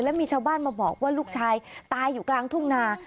แล้วมีชาวบ้านมาบอกว่าลูกชายตายอยู่กลางทุ่งนา